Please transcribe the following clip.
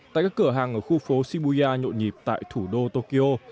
tại các cửa hàng ở khu phố shibuya nhộn nhịp tại thủ đô tokyo